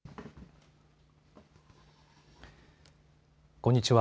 こんにちは。